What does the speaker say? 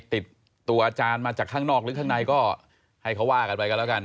ติดตัวอาจารย์มาจากข้างนอกหรือข้างในก็ให้เขาว่ากันไปกันแล้วกัน